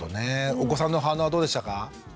お子さんの反応はどうでしたか？